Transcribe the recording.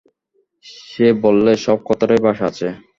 সে বললে, সব কথারই ভাষা আছে?